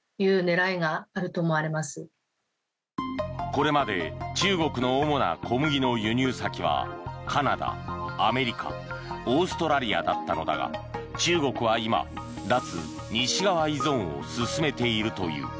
これまで中国の主な小麦の輸入先はカナダ、アメリカオーストラリアだったのだが中国は今脱西側依存を進めているという。